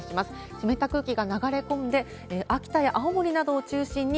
湿った空気が流れ込んで、秋田や青森などを中心に、